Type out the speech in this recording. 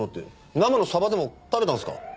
生のサバでも食べたんですか？